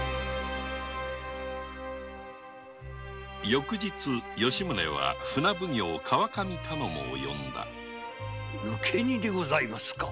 翌日吉宗は船奉行川上頼母を呼んだ抜け荷でございますか？